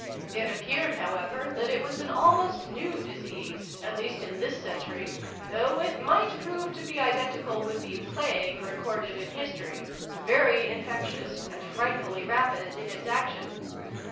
It appeared, however, that it was an almost new disease at least in this century, though it might prove to be identical with the ' Plague ' recorded in History very infectious, and frightfully rapid in its action.